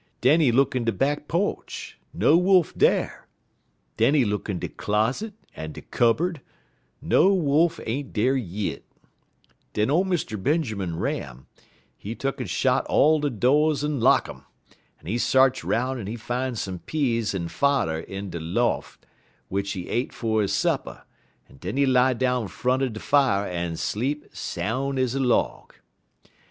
Den he look in de back po'ch; no Wolf dar. Den he look in de closet en de cubberd; no Wolf ain't dar yit. Den ole Mr. Benjermun Ram, he tuck'n shot all de do's en lock um, en he s'arch 'roun' en he fine some peas en fodder in de lof', w'ich he et um fer he supper, en den he lie down front er de fier en sleep soun' ez a log.